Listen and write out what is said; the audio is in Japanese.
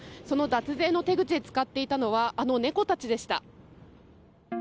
その脱税の手口で使っていたのはあの猫たちでした。